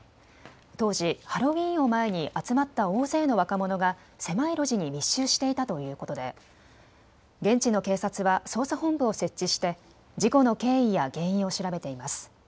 当時、ハロウィーンを前に集まった大勢の若者が狭い路地に密集していたということで現地の警察は捜査本部を設置して事故の経緯や原因を調べています。